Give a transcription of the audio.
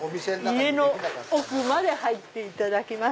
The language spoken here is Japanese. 家の奥まで入っていただきます。